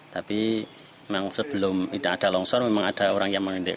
tapi memang sebelum tidak ada longsor memang ada orang yang mengintip